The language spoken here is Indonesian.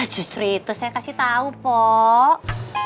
justru itu saya kasih tahu pok